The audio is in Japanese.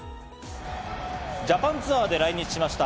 ジャパンツアーで来日しました、